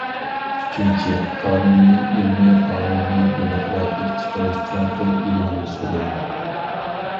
ئۈچىنچى، قانۇننى ئىلمىي، قانۇننى دېموكراتىك چىقىرىش چوڭقۇر ئىلگىرى سۈرۈلىدۇ.